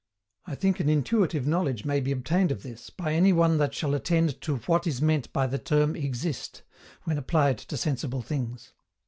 I think an intuitive knowledge may be obtained of this by any one that shall attend to WHAT IS MEANT BY THE TERM EXIST, when applied to sensible things.